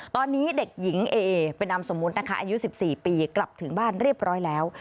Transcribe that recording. ตอนนี้เด็กหญิงเอเป็นนามสมมุตินะคะอายุ๑๔ปีกลับถึงบ้านเรียบร้อยแล้ว